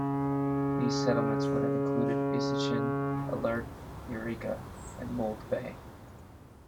These settlements would have included Isachsen, Alert, Eureka, and Mould Bay.